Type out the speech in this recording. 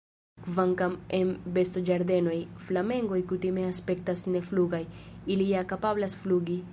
Kvankam en bestoĝardenoj, flamengoj kutime aspektas neflugaj, ili ja kapablas flugi.